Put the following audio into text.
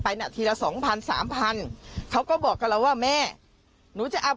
น่ะทีละสองพันสามพันเขาก็บอกกับเราว่าแม่หนูจะเอา